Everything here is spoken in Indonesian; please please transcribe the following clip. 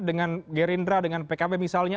dengan gerindra dengan pkb misalnya